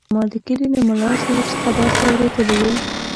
ما د کلي له ملاصاحب څخه داسې اورېدلي وو.